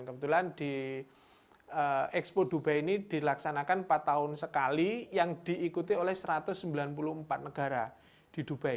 kebetulan di expo dubai ini dilaksanakan empat tahun sekali yang diikuti oleh satu ratus sembilan puluh empat negara di dubai